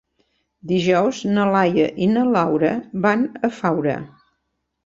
Dijous na Laia i na Laura van a Faura.